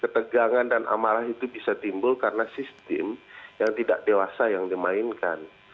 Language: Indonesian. ketegangan dan amarah itu bisa timbul karena sistem yang tidak dewasa yang dimainkan